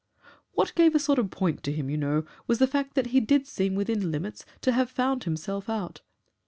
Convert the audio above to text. "What gave a sort of point to him, you know, was the fact that he did seem within limits to have found himself out.